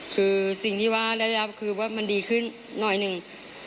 คือสิ่งที่ว่าได้รับคือว่ามันดีขึ้นหน่อยหนึ่ง